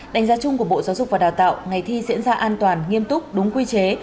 đánh giá chung của bộ giáo dục và đào tạo ngày thi diễn ra an toàn nghiêm túc đúng quy chế